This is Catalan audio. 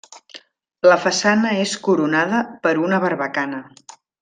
La façana és coronada per una barbacana.